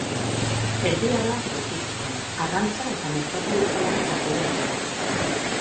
Erdi Aroan sortu zuten, arrantza eta merkataritza lanak batera eginez.